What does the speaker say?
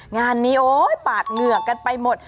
งานนี้โอ๊ยปาดเหงือกกันไปหมด